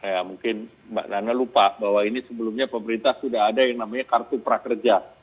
ya mungkin mbak nana lupa bahwa ini sebelumnya pemerintah sudah ada yang namanya kartu prakerja